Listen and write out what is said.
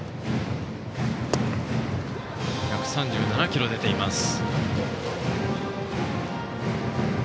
１３７キロ出ています。